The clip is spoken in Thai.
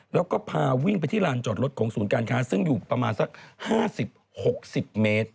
แล้วก็พาวิ่งไปที่ลานจอดรถของศูนย์การค้าซึ่งอยู่ประมาณสัก๕๐๖๐เมตร